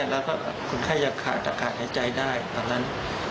แล้วก็คนไข้จะขาดอากาศหายใจได้ตอนนั้น